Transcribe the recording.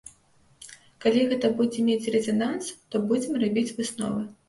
Калі гэта будзе мець рэзананс, то будзем рабіць высновы.